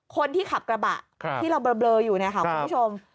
คนที่ขับกระบะที่เราเบลออยู่เนี่ยค่ะคุณผู้ชม